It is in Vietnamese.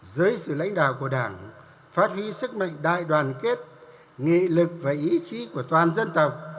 dưới sự lãnh đạo của đảng phát huy sức mạnh đại đoàn kết nghị lực và ý chí của toàn dân tộc